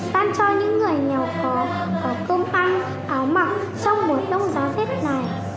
đang cho những người nhỏ có cơm ăn áo mặc trong buổi đông giá thết này